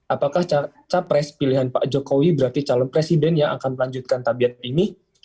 apakah capres pilihan pak jokowi berarti calon presiden yang akan melanjutkan tabiat ini